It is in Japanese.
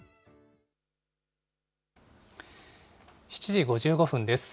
７時５５分です。